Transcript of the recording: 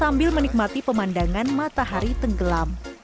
dan juga menikmati pemandangan matahari tenggelam